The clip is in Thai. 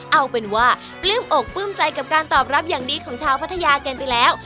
เอาเป็นว่าปลื้มอกปลื้มใจกับการตอบรับอย่างดีของชาวพัทยากันไปแล้ว